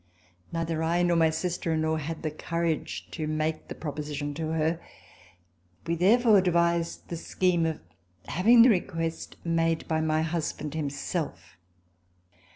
Neither I nor my sister in law had the courage to make the proposition to her. We therefore devised the scheme of having the request made by my husband himself.